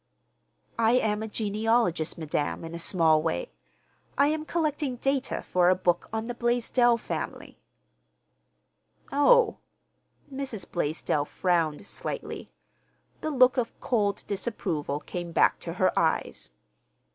"I am a genealogist, madam, in a small way. I am collecting data for a book on the Blaisdell family." "Oh!" Mrs. Blaisdell frowned slightly. The look of cold disapproval came back to her eyes.